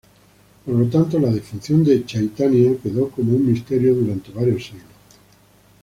Por lo tanto la defunción de Chaitania quedó como un misterio durante varios siglos.